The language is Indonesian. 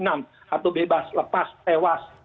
atau bebas lepas tewas